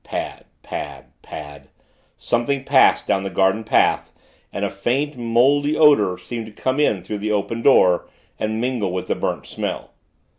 Pad, pad, pad Something passed down the garden path, and a faint, mouldy odor seemed to come in through the open door, and mingle with the burnt smell.